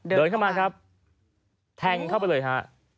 เดินเข้ามาครับแทงเข้าไปเลยฮะ